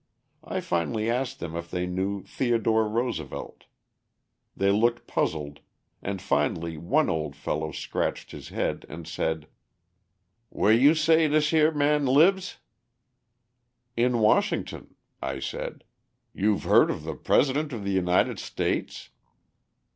I finally asked them if they knew Theodore Roosevelt. They looked puzzled, and finally one old fellow scratched his head and said: "Whah you say dis yere man libes?" "In Washington," I said; "you've heard of the President of the United States?"